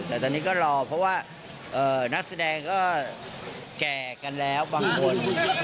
แต่ตอนนี้ก็รอเพราะว่านักแสดงก็แก่กันแล้วบางคน